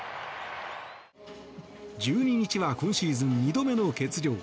１２日は今シーズン２度目の欠場。